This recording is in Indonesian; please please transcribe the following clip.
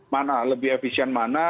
mana lebih efisien mana